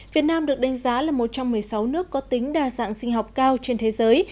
việt nam được đánh giá là một trong một mươi sáu nước có tính đa dạng sinh học cao trên thế giới